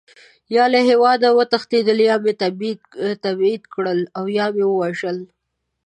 یا له هېواده وتښتېدل، یا مې تبعید کړل او یا مې ووژل.